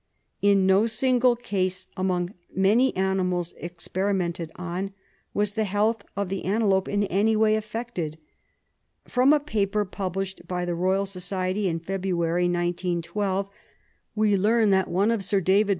In no single case, among many animals experi mented on, was the health of the antelope in any way affected. From a paper published by the Royal Society in February, 1912, we learn that one of Sir D.